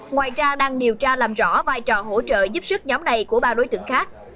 ngoài ra đang điều tra làm rõ vai trò hỗ trợ giúp sức nhóm này của ba đối tượng khác